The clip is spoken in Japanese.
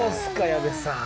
矢部さん。